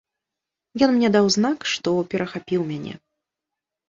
Ён мне даў знак, што перахапіў мяне.